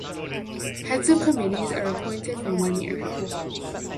Heads of committees are appointed for one year.